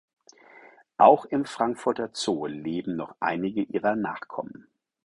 Auch im Frankfurter Zoo leben noch einige ihrer Nachkommen.